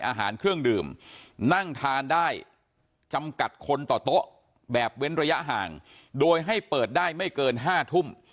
อาหารเครื่องดื่มนั่งทานได้จำกัดคนต่อโต๊ะแบบเว้นระยะห่างโดยให้เปิดได้ไม่เกิน๕ทุ่ม